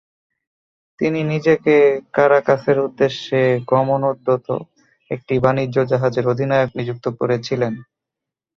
তিনি নিজেকে কারাকাসের উদ্দেশ্যে গমনোদ্যত একটি বাণিজ্য জাহাজের অধিনায়ক নিযুক্ত করেছিলেন।